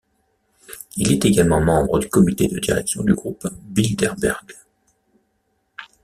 Il est également membre du comité de direction du groupe Bilderberg.